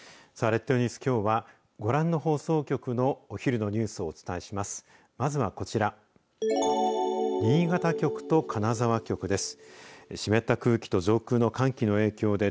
列島ニュース、きょうはご覧の放送局のお昼のニュースをお伝えします。